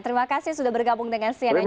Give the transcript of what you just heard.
terima kasih sudah bergabung dengan cnn indonesia